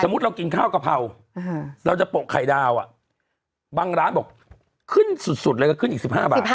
เรากินข้าวกะเพราเราจะโปะไข่ดาวบางร้านบอกขึ้นสุดเลยก็ขึ้นอีก๑๕บาท